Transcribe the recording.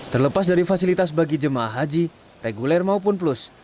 terlepas dari fasilitas bagi jemaah haji reguler maupun plus